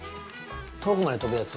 遠くまで飛ぶやつ？